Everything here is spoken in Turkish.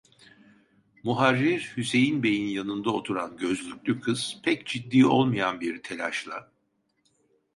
Muharrir Hüseyin beyin yanında oturan gözlüklü kız, pek ciddi olmayan bir telaşla: